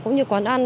cũng như quán ăn